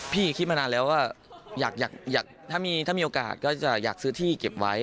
คิดมานานแล้วว่าถ้ามีโอกาสก็จะอยากซื้อที่เก็บไว้